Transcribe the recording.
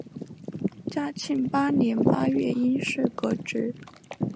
嘉庆八年八月因事革职。